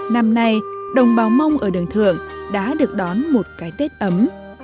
năm nay đồng bào mông ở đường thượng đã được đón một cái tết ấm